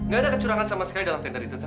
gak ada kecurangan sama sekali dalam tender itu